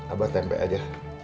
abang tempek aja